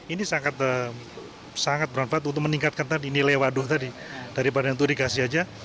ini sangat beranfaat untuk meningkatkan nilai waduh tadi daripada yang itu dikasih saja